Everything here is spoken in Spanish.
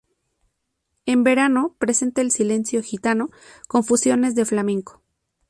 En verano presenta el sencillo "Gitano" con fusiones de flamenco.